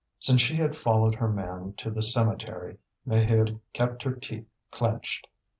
Since she had followed her man to the cemetery, Maheude kept her teeth clenched.